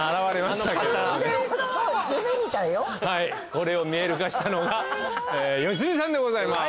これを見える化したのが良純さんでございます。